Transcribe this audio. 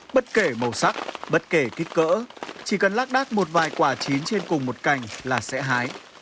bất kể màu sắc bất kể kích cỡ chỉ cần lác đác một vài quả chín trên cùng một cành là sẽ hái